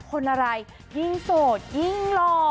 คนอะไรยิ่งโสดยิ่งหล่อ